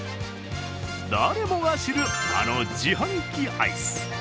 誰もが知る、あの自販機アイス。